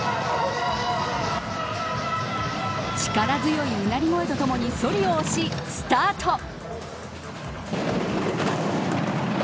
力強いうなり声とともにそりを押しスタート。